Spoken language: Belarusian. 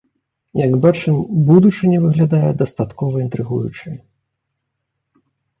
Як бачым, будучыня выглядае дастаткова інтрыгуючай.